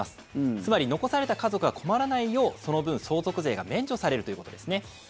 つまり残された家族が困らないようその分、相続税が免除されるということですね。